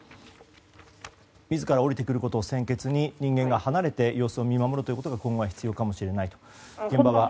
自ら下りてくることを先決に人間が離れて様子を見守ることが今後必要かもしれないと。